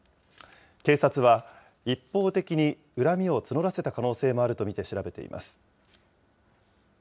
警察は、一方的に恨みを募らせた可能性もあると見て調べています。